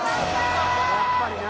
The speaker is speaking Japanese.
やっぱりな。